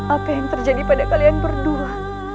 apa yang terjadi pada kalian berdua